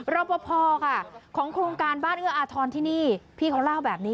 รอปภค่ะของโครงการบ้านเอื้ออาทรที่นี่พี่เขาเล่าแบบนี้